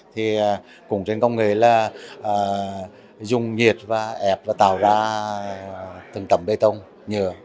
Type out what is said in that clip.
thì cũng trên công nghệ là dùng nhiệt và ép và tạo ra từng tầm bê tông nhựa